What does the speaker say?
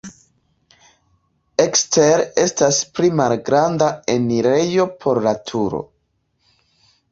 Ekstere estas pli malgranda enirejo por la turo.